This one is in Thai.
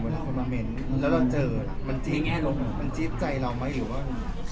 แล้วเราเจอมันจี๊บใจเรามั้ยหรือว่า